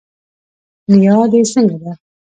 نيا دي څنګه ده